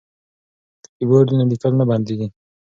که کیبورډ وي نو لیکل نه بندیږي.